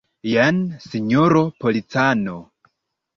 Jen, sinjoro policano.